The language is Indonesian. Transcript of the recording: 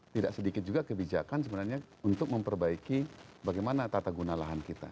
tidak sedikit juga kebijakan sebenarnya untuk memperbaiki bagaimana tata guna lahan kita